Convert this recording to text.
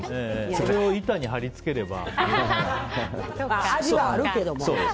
それを板に貼り付ければ。